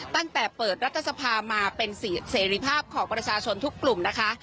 ตั้งแต่เปิดรัฐสภามาเป็นเสรีภาพของประชาชนทุกกลุ่มนะคะ